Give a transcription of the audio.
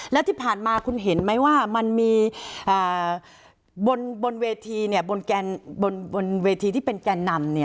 แล้วที่ผ่านมาคุณเห็นไหมว่ามันมีบนเวทีบนเวทีที่เป็นแกนนำ